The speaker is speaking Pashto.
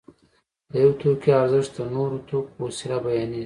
د یو توکي ارزښت د نورو توکو په وسیله بیانېږي